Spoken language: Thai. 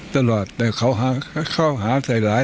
แต่เขาหาสายหลาย